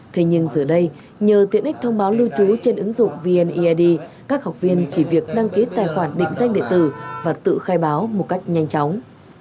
thế nhưng giờ đây nhờ tiện ích thông báo lưu trú trên ứng dụng vneid các học viên chỉ việc đăng ký tài khoản định danh địa tử và tự khai báo một cách nhanh chóng